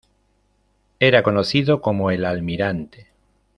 Era conocido como "El Almirante".